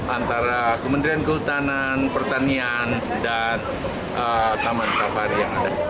antara kementerian kehutanan pertanian dan taman safari yang ada